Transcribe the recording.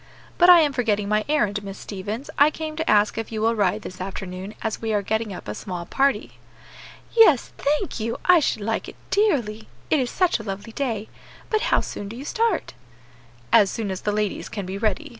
But I am forgetting my errand, Miss Stevens; I came to ask if you will ride this afternoon, as we are getting up a small party." "Yes, thank you, I should like it dearly, it is such a lovely day. But how soon do you start?" "As soon as the ladies can be ready.